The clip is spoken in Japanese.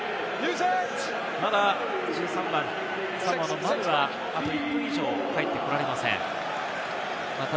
まだ１３番サモアのマヌはあと１分以上、帰ってこられません。